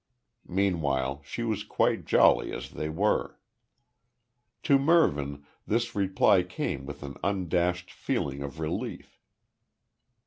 Meanwhile she was quite jolly as they were. To Mervyn this reply came with an undashed feeling of relief.